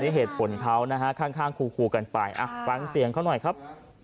เหตุผลเขานะฮะข้างคูกันไปฟังเสียงเขาหน่อยครับ